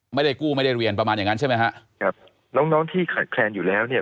ไม่ได้กู้ไม่ได้เรียนประมาณอย่างนั้นใช่ไหมฮะครับน้องน้องที่ขาดแคลนอยู่แล้วเนี่ย